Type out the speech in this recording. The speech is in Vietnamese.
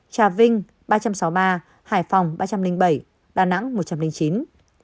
trung bình số ca nhiễm mới trong nước ký nhận ca bệnh như sau